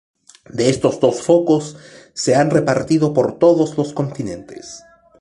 De estos dos focos se han repartido por todos los continentes.